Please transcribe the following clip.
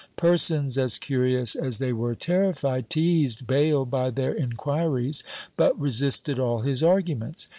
Persons as curious as they were terrified teased Bayle by their inquiries, but resisted all his arguments.